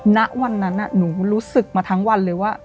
ณวันนั้นหนูรู้สึกมาทั้งวันเลยว่า